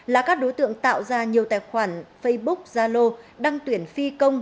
là các đối tượng tạo ra nhiều tài khoản facebook gia lô đăng tuyển phi công